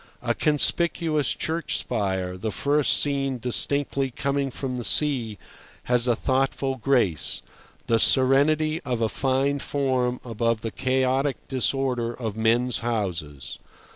A conspicuous church spire, the first seen distinctly coming from the sea, has a thoughtful grace, the serenity of a fine form above the chaotic disorder of men's houses.